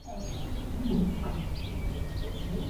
The rest of his campaign was plagued by retirements and injury.